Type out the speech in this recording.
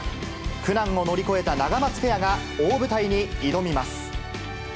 苦難を乗り越えたナガマツペアが、大舞台に挑みます。